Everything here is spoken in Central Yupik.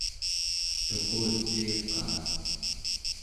tuquciiqaa